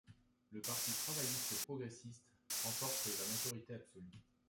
Le Parti travailliste progressiste remporte la majorité absolu.